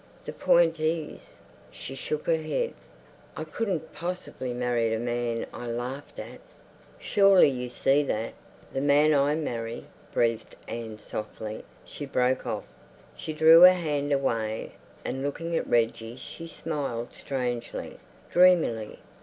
The point is"—she shook her head—"I couldn't possibly marry a man I laughed at. Surely you see that. The man I marry—" breathed Anne softly. She broke off. She drew her hand away, and looking at Reggie she smiled strangely, dreamily.